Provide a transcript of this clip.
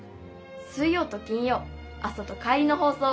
水曜と金曜朝と帰りのほうそう。